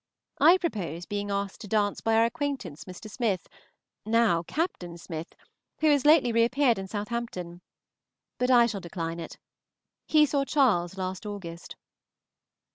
I propose being asked to dance by our acquaintance Mr. Smith, now Captain Smith, who has lately reappeared in Southampton, but I shall decline it. He saw Charles last August.